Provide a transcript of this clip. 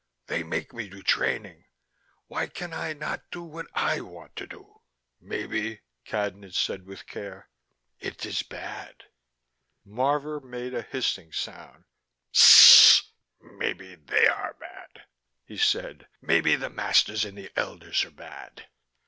They make me do training. Why can I not do what I want to do?" "Maybe," Cadnan said with care, "it is bad." Marvor made a hissing sound. "Maybe they are bad," he said. "Maybe the masters and the elders are bad."